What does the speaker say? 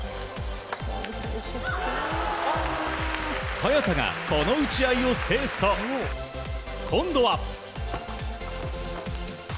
早田がこの打ち合いを制すと今度は。